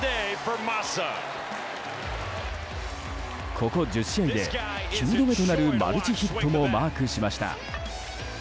ここ１０試合で９度目となるマルチヒットもマークしました。